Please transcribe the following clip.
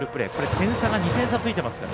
点差が２点差ついていますから。